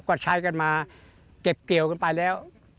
ก็ใช้กันมาเก็บเกี่ยวกันไปแล้ว